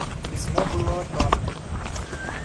Письмо было от Анны.